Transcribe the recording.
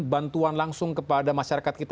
bantuan langsung kepada masyarakat kita